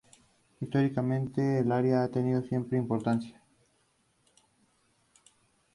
Emplea salchichas occidentales en lugar de salchichas chinas, que suelen usarse como ingredientes.